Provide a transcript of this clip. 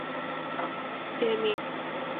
皮鲁士为其别名。